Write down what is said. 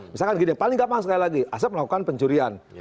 misalkan gini paling gampang sekali lagi asap melakukan pencurian